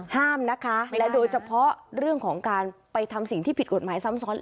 ห้ามนะคะและโดยเฉพาะเรื่องของการไปทำสิ่งที่ผิดกฎหมายซ้ำซ้อน